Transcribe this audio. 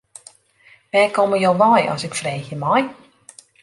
Wêr komme jo wei as ik freegje mei.